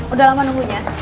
udah lama nunggunya